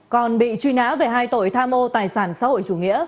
còn bị truy nã về hai tội tham mô tài sản xã hội chủ nghĩa